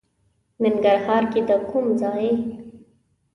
ننګرهار کې د کوم ځای؟